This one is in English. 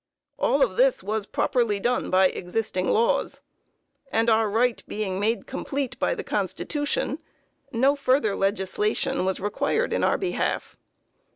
All this was properly done by existing laws, and our right being made complete by the Constitution, no further legislation was required in our behalf.